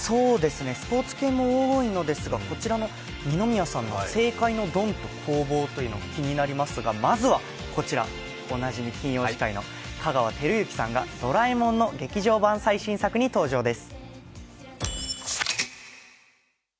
スポーツ系も多いのですが、こちらの二宮さんの政界のドンと攻防！？というのも気になりますが、まずはこちら、おなじみ、金曜司会の香川照之さんが「ドラえもん」の劇場版最新作に登場です。